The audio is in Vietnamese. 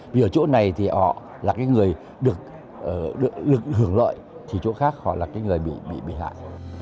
vì ở chỗ này thì họ là người được hưởng lợi thì chỗ khác họ là người bị hại